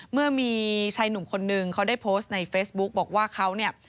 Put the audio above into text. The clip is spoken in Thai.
เมื่อมีชายหนุ่มคนนึงเขาได้โพสต์ในเฟซบุ๊กบอกว่าเขาเนี่ย